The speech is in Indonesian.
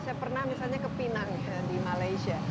saya pernah misalnya ke pinang di malaysia